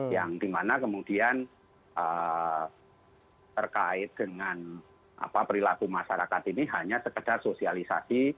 yang dimana kemudian terkait dengan perilaku masyarakat ini hanya sekedar sosialisasi